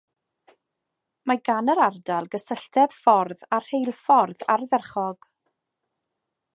Mae gan yr ardal gysylltedd ffordd a rheilffordd ardderchog.